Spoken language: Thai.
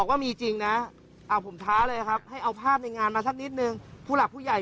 ไม่จริงครับมันไม่มีพิธีสู่ขอเลย